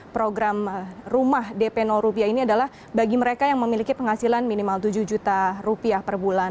program rumah dp rupiah ini adalah bagi mereka yang memiliki penghasilan minimal tujuh juta rupiah per bulan